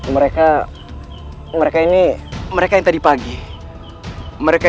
mereka mereka ini mereka yang tadi pagi mereka